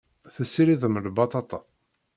Tessiridem lbaṭaṭa.